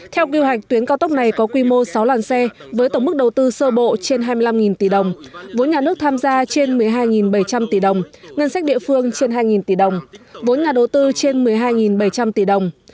theo quy hoạch tuyến cao tốc này có quy mô sáu làn xe với tổng mức đầu tư sơ bộ trên hai mươi năm tỷ đồng vốn nhà nước tham gia trên một mươi hai bảy trăm linh tỷ đồng ngân sách địa phương trên hai tỷ đồng vốn nhà đầu tư trên một mươi hai bảy trăm linh tỷ đồng